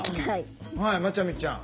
はいまちゃみちゃん。